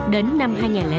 đến năm hai nghìn sáu